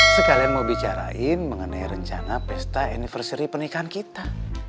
sekalian mau bicarain mengenai rencana pesta anniversary pernikahan kita